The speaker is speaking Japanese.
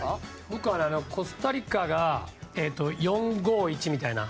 僕はコスタリカが４−５−１みたいな。